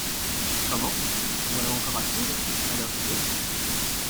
Comment ! vous voilà encore à coudre, à l’heure qu’il est ?